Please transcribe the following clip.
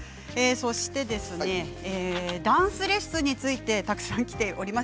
そしてダンスレッスンについてたくさんきております。